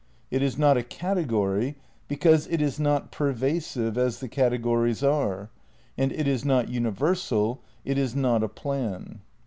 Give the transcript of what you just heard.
It is not a category because it is not pervasive as the categories are ; and it is not uni versal, it is not a plan.